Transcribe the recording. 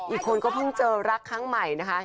อีกคนก็เพิ่งเจอรักครั้งใหม่นะคะ